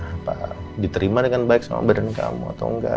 apa diterima dengan baik sama badan kamu atau enggak